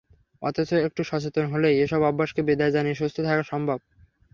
অথচ একটু সচেতন হলেই এসব অভ্যাসকে বিদায় জানিয়ে সুস্থ থাকা সম্ভব।